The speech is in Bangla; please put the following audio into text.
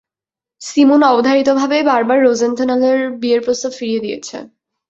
সিমোন অবধারিতভাবেই বারবার রোজেন্থ্যালারের বিয়ের প্রস্তাব ফিরিয়ে দিয়েছে।